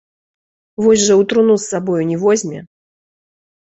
Вось жа ў труну з сабою не возьме.